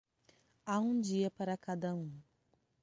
Há um dia para cada um.